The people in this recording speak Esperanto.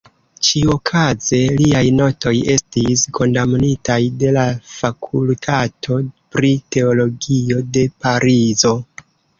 Ĉiuokaze, liaj notoj estis kondamnitaj de la Fakultato pri Teologio de Parizo.